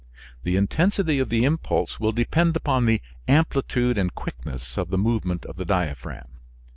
The intensity of the impulse will depend upon the amplitude and quickness of the movement of the diaphragm.